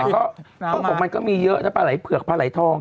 แต่ตอนผมมันก็มีเยอะนะปลาไหล่เผือกปลาไหล่ทอง